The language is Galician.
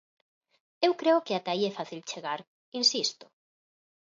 Eu creo que ata aí é fácil chegar, insisto.